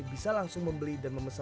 bisa langsung membeli dan memesan